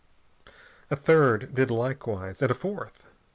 A third did likewise, and a fourth.